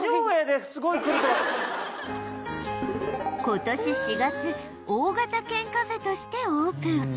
今年４月大型犬カフェとしてオープン